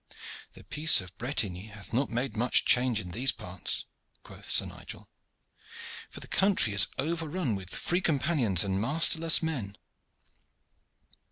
"The peace of Bretigny hath not made much change in these parts," quoth Sir Nigel, "for the country is overrun with free companions and masterless men.